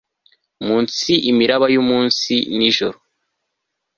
Munsi imiraba yumunsi nijoro